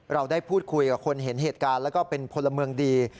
เราได้พูดคุยกับคนเห็นเหตุการณ์แล้วก็เป็นพลเมืองดี